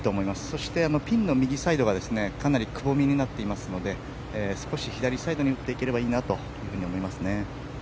そしてピンの右サイドがかなり窪みになっていますので少し左サイドに打っていければいいなというふうに思いますね。